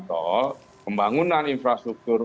tol pembangunan infrastruktur